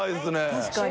確かに。